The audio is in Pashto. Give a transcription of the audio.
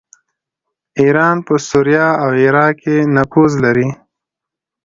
ایران په سوریه او عراق کې نفوذ لري.